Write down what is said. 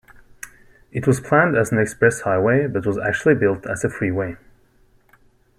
It was planned as an express highway but was actually built as a freeway.